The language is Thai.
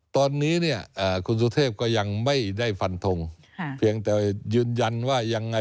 ตอนนี้เนี่ยคุณสุเทพก็ยังไม่ได้ฟันทงเพียงแต่ยืนยันว่ายังไง